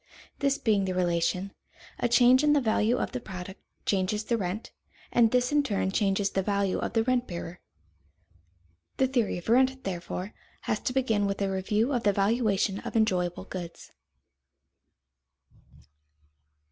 This being the relation, a change in the value of the product changes the rent, and this in turn changes the value of the rent bearer. The theory of rent, therefore, has to begin with a review of the valuation of enjoyable goods.